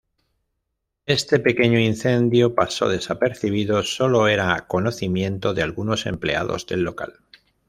Este pequeño incendio pasó desapercibido, sólo era conocimiento de algunos empleados del local.